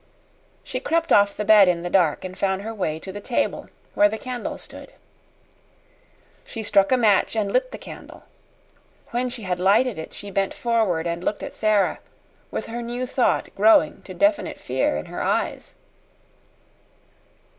She crept off the bed in the dark and found her way to the table where the candle stood. She struck a match and lit the candle. When she had lighted it, she bent forward and looked at Sara, with her new thought growing to definite fear in her eyes.